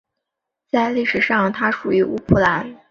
在历史上它属于乌普兰。